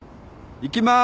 いきます。